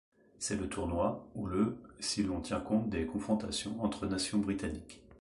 C'est le Tournoi, ou le si l'on tient compte des confrontations entre nations britanniques.